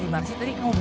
yang mana pasuya berkaki